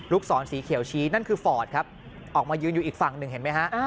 ศรสีเขียวชี้นั่นคือฟอร์ดครับออกมายืนอยู่อีกฝั่งหนึ่งเห็นไหมฮะ